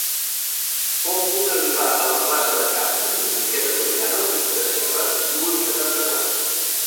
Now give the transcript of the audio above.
Com puc arribar a la plaça de Carme i Enriqueta Soriano i Tresserra número setanta-quatre?